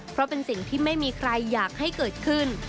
เพราะเป็นสิ่งที่ไม่มีใครอยากให้เกิดขึ้น